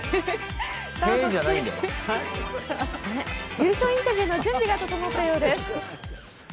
優勝インタビューの準備が整ったようです。